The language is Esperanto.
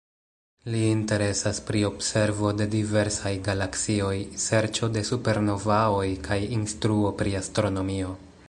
Li interesas pri observo de diversaj galaksioj, serĉo de supernovaoj kaj instruo pri astronomio.